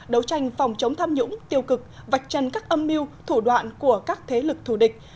đấu tranh phòng chống tham nhũng tiêu cực vạch chân các âm mưu thủ đoạn của các thế lực thù địch